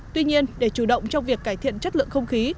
tuy nhiên để chủ động trong việc cải thiện chất lượng không khí